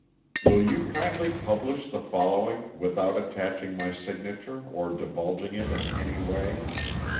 Will you kindly publish the following without attaching my signature or divulging it in any way?